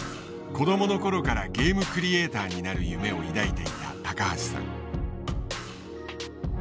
子供の頃からゲームクリエーターになる夢を抱いていた橋さん。